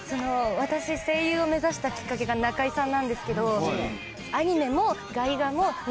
私声優を目指したきっかけが中井さんなんですけど。